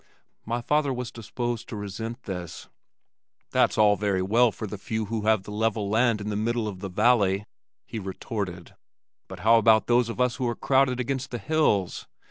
My father was disposed to resent this. "That's all very well for the few who have the level land in the middle of the valley," he retorted, "but how about those of us who are crowded against the hills?